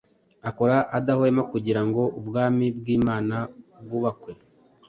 akora adahwema kugira ngo ubwami bw’Imana bwubakwe